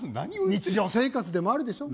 日常生活でもあるでしょ？